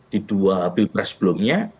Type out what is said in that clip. di dua pilpres sebelumnya